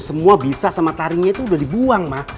semua bisa sama taringnya itu udah dibuang ma